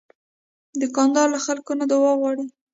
دوکاندار له خلکو نه دعا غواړي.